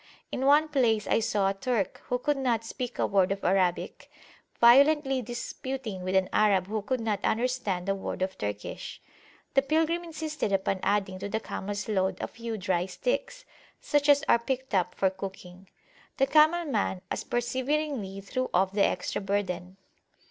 In one place I saw a Turk, who could not speak a word of Arabic, violently disputing with an Arab who could not understand a word of Turkish. The pilgrim insisted upon adding to the camels load a few dry sticks, such as are picked up for cooking. The camel man as perseveringly threw off the extra burthen.